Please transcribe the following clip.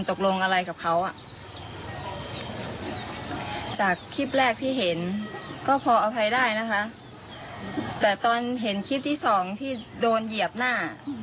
แต่ตอนเห็นคลิปที่๒ที่โดนเหยียบหน้า